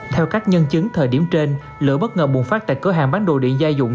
theo các nhân chứng thời điểm trên lửa bất ngờ bùng phát tại cửa hàng bán đồ điện gia dụng